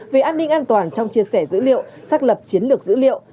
về an ninh an toàn trong chia sẻ dữ liệu xác lập chiến lược dữ liệu